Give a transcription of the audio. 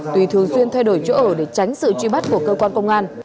tuy thường xuyên thay đổi chỗ ở để tránh sự truy bắt của cơ quan công an